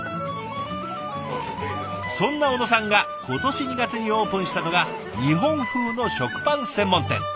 そんな小野さんが今年２月にオープンしたのが日本風の食パン専門店。